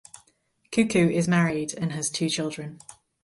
Kuku is married and has two children.